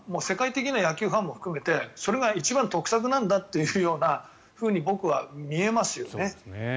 世界的な野球ファンも含めてそれが一番得策なんだというふうに僕は見えますよね。